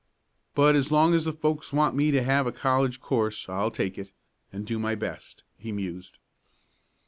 "But as long as the folks want me to have a college course I'll take it and do my best," he mused.